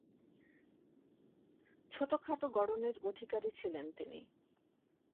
ছোটখাটো গড়নের অধিকারী ছিলেন তিনি।